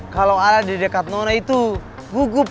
kalau ada dekat nona itu gugup